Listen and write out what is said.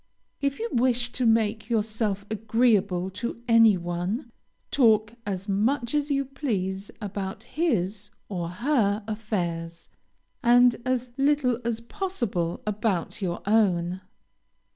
If you wish to make yourself agreeable to any one, talk as much as you please about his or her affairs, and as little as possible about your own.